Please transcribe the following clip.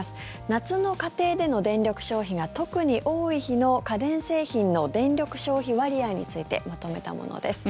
夏の家庭での電力消費が特に多い日の家電製品の電力消費割合についてまとめたものです。